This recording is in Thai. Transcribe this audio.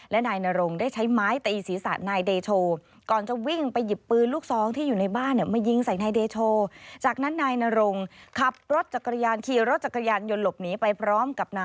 และนายนารงได้ใช้ไม้ตีศีรษะนายเดโช